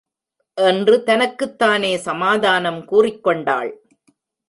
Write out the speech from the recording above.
என்று தனக்குத் தானே சமாதானம் கூறிக்கொண்டாள்.